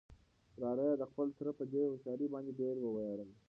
وراره يې د خپل تره په دې هوښيارۍ باندې ډېر ووياړل.